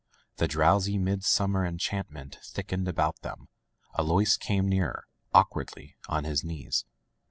The drowsy midsununer enchant ment thickened about them. Alois came nearer, awkwardly, on his knees.